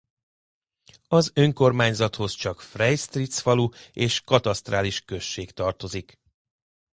Az önkormányzathoz csak Feistritz falu és katasztrális község tartozik.